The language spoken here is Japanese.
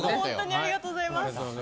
ありがとうございます！